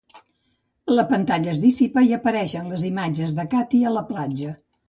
La pantalla es dissipa i apareixen les imatges de Katie a la platja.